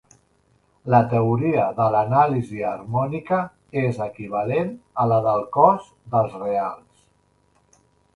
La teoria de l'anàlisi harmònica és equivalent a la del cos dels reals.